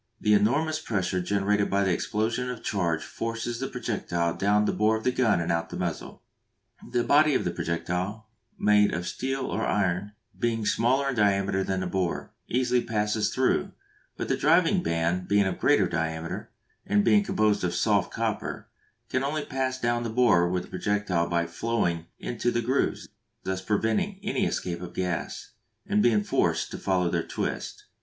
The enormous pressure generated by the explosion of the charge forces the projectile down the bore of the gun and out of the muzzle. The body of the projectile, made of steel or iron, being smaller in diameter than the bore, easily passes through, but the driving band being of greater diameter, and being composed of soft copper, can only pass down the bore with the projectile by flowing into the grooves, thus preventing any escape of gas, and being forced to follow their twist.